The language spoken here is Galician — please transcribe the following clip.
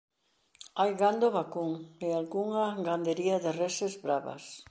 Hai Gando vacún e algunha gandería de reses bravas.